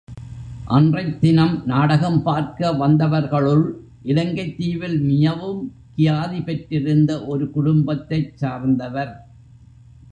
அன்றைத் தினம் நாடகம் பார்க்க வந்தவர்களுள், இலங்கைத் தீவில் மிகவும் கியாதி பெற்றிருந்த ஒரு குடும்பத்தைச் சார்ந்தவர்.